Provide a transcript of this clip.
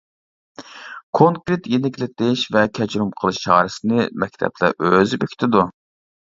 كونكرېت يېنىكلىتىش ۋە كەچۈرۈم قىلىش چارىسىنى مەكتەپلەر ئۆزى بېكىتىدۇ.